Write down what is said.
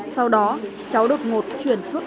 sau đó cháu được ngột chuyển xuất